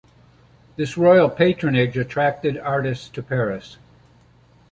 This royal patronage attracted artists to Paris.